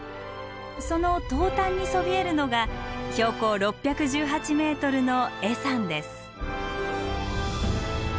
その東端にそびえるのが標高６１８ｍの恵山です。